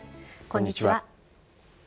こんにちは。